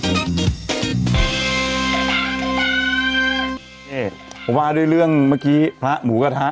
เพราะว่าด้วยเรื่องเมื่อกี้พระหมูกระทะ